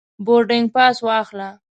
بوردینګ پاس واخله.